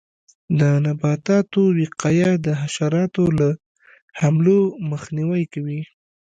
د نباتاتو وقایه د حشراتو له حملو مخنیوی کوي.